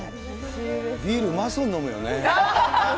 ビールうまそうに飲むよね。